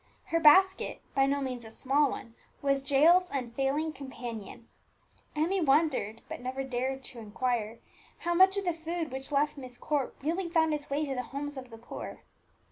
Her basket, by no means a small one, was Jael's unfailing companion. Emmie wondered, but never ventured to inquire, how much of the food which left Myst Court really found its way to the homes of the poor.